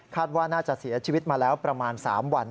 ว่าน่าจะเสียชีวิตมาแล้วประมาณ๓วัน